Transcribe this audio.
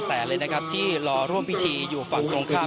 เกือบเชิญแสนเลยที่รอร่วมพิธีอยู่ฝั่งตรงข้าม